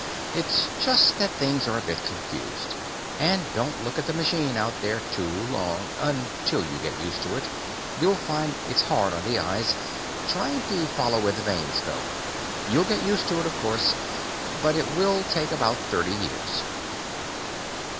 It's just that things are a bit confused. And don't look at the machine out there too long until you get used to it, you'll find it's hard on the eyes, trying to follow where the vanes go. You'll get used to it, of course, but it will take about thirty years.